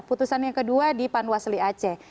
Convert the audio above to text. putusan yang kedua di panwasli aceh